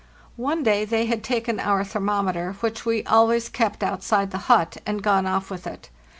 One day they had taken our thermometer,* which we always kept outside the hut, and gone off with it.